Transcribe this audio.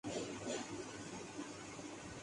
وزیراعظم نے اقتصادی رابطہ کمیٹی کا اجلاس اج طلب کرلیا